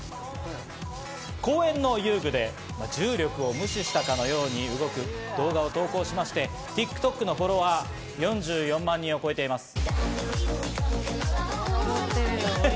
公園の遊具で重力を無視したかのように動く動画を投稿しまして、ＴｉｋＴｏｋのフォローは４４万人を超えています。